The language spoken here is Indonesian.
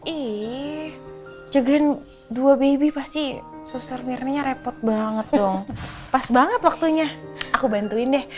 ih juga dua baby pasti susur mirnanya repot banget dong pas banget waktunya aku bantuin deh